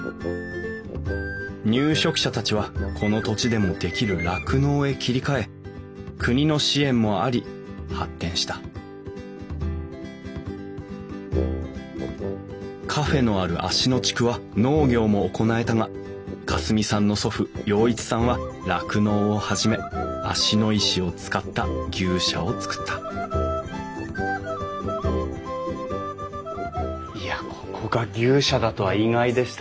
入植者たちはこの土地でもできる酪農へ切り替え国の支援もあり発展したカフェのある芦野地区は農業も行えたが夏澄さんの祖父洋一さんは酪農を始め芦野石を使った牛舎を造ったいやここが牛舎だとは意外でした。